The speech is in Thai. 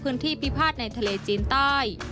เพื่อนที่ผิวพลาดในทะเลจีนใต้